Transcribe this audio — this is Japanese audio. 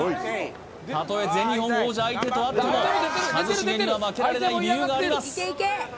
たとえ全日本王者相手とあっても一茂には負けられない理由があります